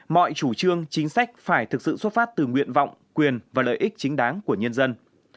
mọi chủ trương chính sách phải thực sự xuất phát từ nguyện vọng quyền và lợi ích chính đáng của nhân dân